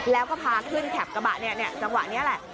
แล้วก็พาขึ้นแถบกระบะเนี่ยจังหวะนี้แหละ